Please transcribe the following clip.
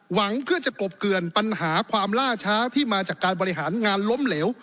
หวังเพื่อจะกบเกือนปัญหาความล่าช้าที่มาจากการบริหารงานล้มเหลว